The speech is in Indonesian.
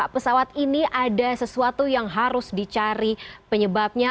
pesawat ini ada sesuatu yang harus dicari penyebabnya